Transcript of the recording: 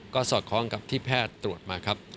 ก็สอดคล้องกับที่แพทย์ตรวจมาครับ